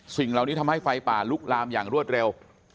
สิ่งเหล่านี้ทำให้ไฟป่าลุกลามอย่างรวดเร็ว